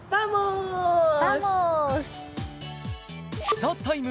「ＴＨＥＴＩＭＥ，」